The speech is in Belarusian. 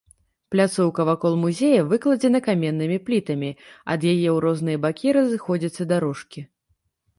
Пляцоўка вакол музея выкладзена каменнымі плітамі, ад яе ў розныя бакі разыходзяцца дарожкі.